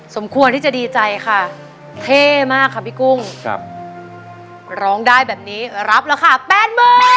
สมควรที่จะดีใจค่ะเท่มากค่ะพี่กุ้งครับร้องได้แบบนี้รับราคาแปดหมื่น